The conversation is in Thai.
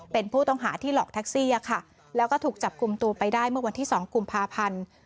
เป็นผู้ต้องหาที่หลอกแท็กซี่ค่ะแล้วก็ถูกจับกลุ่มตัวไปได้เมื่อวันที่๒กุมภาพันธ์